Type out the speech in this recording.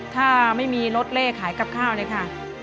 ถ้าไม่มีรถเล่ขายกับข้าวเลยค่ะ